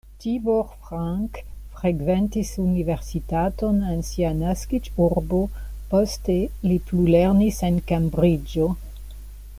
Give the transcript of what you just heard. Tibor Frank frekventis universitaton en sia naskiĝurbo, poste li plulernis en Kembriĝo.